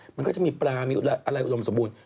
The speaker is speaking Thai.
มันก็จะมีปลามีอะไรอุดมสมบูรณ